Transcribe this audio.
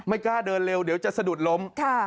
กล้าเดินเร็วเดี๋ยวจะสะดุดล้ม